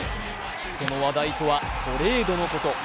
その話題とはトレードのこと。